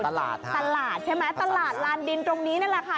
ตลาดใช่มั้ยตลาดลานดินตรงนี้นั่นแหละค่ะ